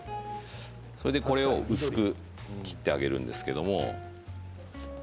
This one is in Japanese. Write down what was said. これを薄く切ってあげるんですけど。